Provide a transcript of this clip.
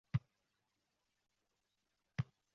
Turkiya ovozi tanlovining yangi mavsumiga hush kelibsiz.